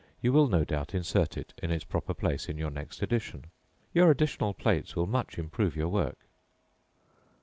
You will, no doubt, insert it in its proper place in your next edition. Your additional plates will much improve your work.